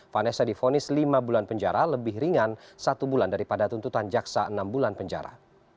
vanessa difonis lima bulan penjara lebih ringan satu bulan daripada tuntutan jaksa enam bulan penjara